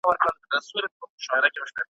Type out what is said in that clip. زه هغه کلي هغه ښار هغه کوڅې ته راغلم